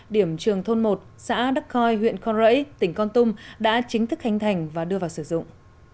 điểm trường thôn một xã đắc coi huyện con rẫy tỉnh con tum đã chính thức khánh thành và đưa vào sử dụng